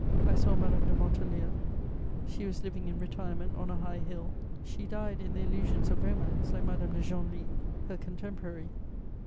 I saw Madame de Montolieu: she was living in retirement on a high hill; she died in the illusions of romance, like Madame de Genlis, her contemporary.